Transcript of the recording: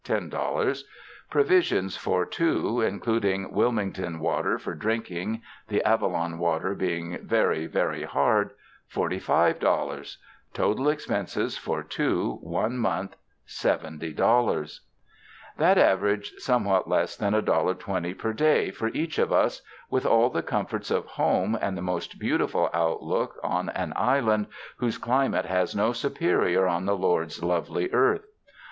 00 Provisions for two (including Wilmington water for drinking, the Avalon water be ing very, very hard), 45.00 Total expenses for two, one month, $70.00 That averaged somewhat less than $1.20 per day for each of us, with all the comforts of home and the most beautiful outlook on an island whose cli mate has no superior on the Lord's lovely earth.